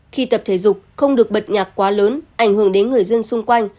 khi tập thể dục không được bật nhạc quá lớn ảnh hưởng đến người dân xung quanh